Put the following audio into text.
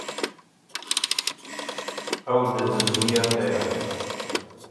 Ew dilnizmiya te ye.